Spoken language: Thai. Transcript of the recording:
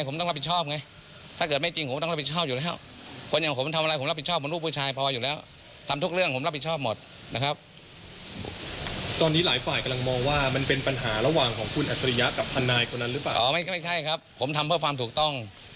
อ๋อไม่ใช่ครับผมทำเพื่อความถูกต้อง